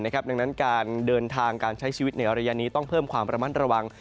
ดังนั้นการเดินทางการใช้ชีวิตในระยะนี้ต้องเพิ่มความระมัดระวัง